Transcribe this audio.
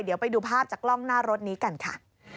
เดี๋ยวไปดูภาพจากกล้องหน้ารถนี้กันค่ะ